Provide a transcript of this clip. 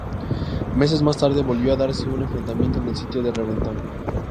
Meses más tarde volvió a darse un enfrentamiento en el sitio de Reventón.